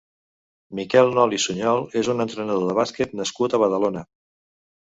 Miquel Nolis Suñol és un entrenador de bàsquet nascut a Badalona.